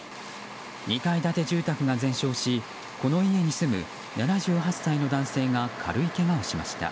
２階建て住宅が全焼しこの家に住む７８歳の男性が軽いけがをしました。